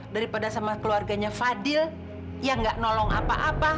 daripada sama keluarganya fadil ya nggak nolong apa apa